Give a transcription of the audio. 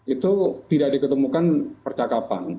itu tidak diketemukan percakapan